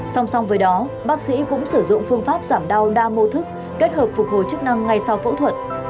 song song với đó bác sĩ cũng sử dụng phương pháp giảm đau đa mô thức kết hợp phục hồi chức năng ngay sau phẫu thuật